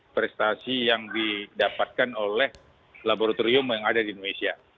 prestasi yang didapatkan oleh laboratorium yang ada di indonesia